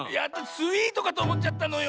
「スイート」かとおもっちゃったのよ。